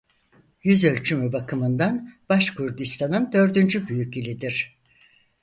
Yüzölçümü bakımından Başkurdistan'ın dördüncü büyük ilidir.